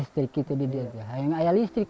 saya ingin memiliki listrik